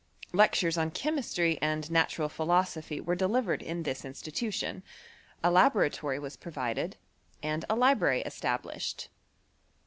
Lectures on cliemistry and natural philosophy were delivered in this instituttoBj a laboratory was provided, and a library established^ OF ELECTEO CHEMISTaT.